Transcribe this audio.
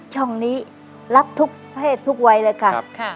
ช่องนี้รับทุกเพศทุกวัยเลยค่ะ